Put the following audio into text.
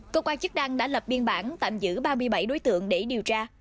công an chức đăng đã lập biên bản tạm giữ ba mươi bảy đối tượng để điều tra